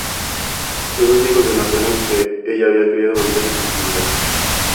Los dos hijos de Napoleón que ella había criado volvieron con su madre.